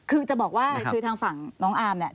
คือจะบอกว่าคือทางฝั่งน้องอาร์มเนี่ย